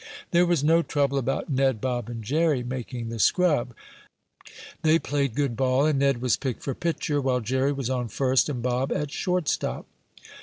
There was no trouble about Ned, Bob and Jerry making the scrub. They played good ball, and Ned was picked for pitcher, while Jerry was on first and Bob at shortstop.